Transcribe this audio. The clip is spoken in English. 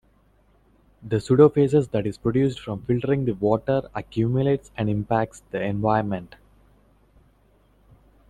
The pseudofeces that is produced from filtering the water accumulates and impacts the environment.